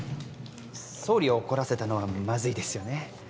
総理を怒らせたのはマズイですよね